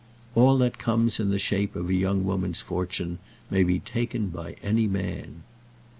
All that comes in the shape of a young woman's fortune may be taken by any man.